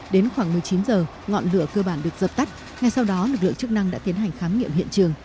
đến khoảng một mươi chín h ngọn lửa cơ bản được dập tắt ngay sau đó lực lượng chức năng đã tiến hành khám nghiệm hiện trường